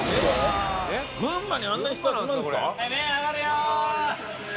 群馬にあんなに人集まるんですか？